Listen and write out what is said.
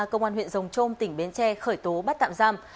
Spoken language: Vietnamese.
công an huyện rồng trôm tỉnh bến tre khởi tố bắt tạm giam